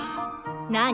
何？